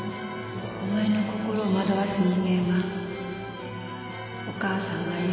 お前の心を惑わす人間はお母さんが許さない